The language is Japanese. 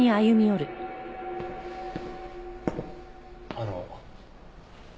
あの。